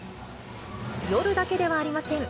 夜だけではありません。